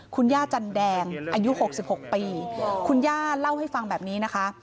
คุณย่าจันแดงอายุ๖๖ปีคุณย่าเล่าให้ฟังแบบนี้นะคะ